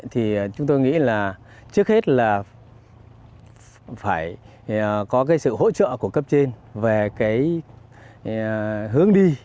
thì chúng tôi nghĩ là trước hết là phải có sự hỗ trợ của cấp trên về hướng đi